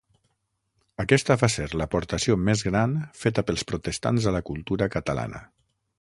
Aquesta va ser l’aportació més gran feta pels protestants a la cultura catalana.